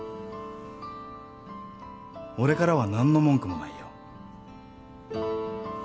俺からはなんの文句もないよ。